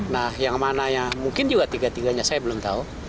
nah yang mana yang mungkin juga tiga tiganya saya belum tahu